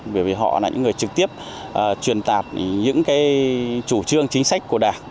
bởi vì họ là những người trực tiếp truyền tạp những chủ trương chính sách của đảng